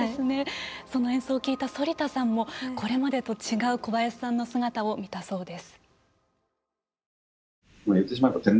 その演奏を聞いた反田さんも、これまでと違う小林さんの姿を見たそうです。